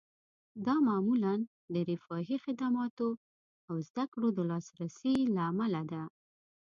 دا معمولاً د رفاهي خدماتو او زده کړو د لاسرسي له امله ده